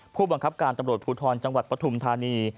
ผู้บังคับการตำรวจภูทรจังหวัดปฐุมธานี